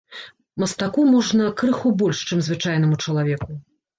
Мастаку можна крыху больш, чым звычайнаму чалавеку.